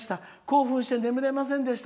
興奮して眠れませんでした。